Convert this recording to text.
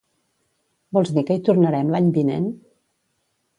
vols dir que hi tornarem l'any vinent?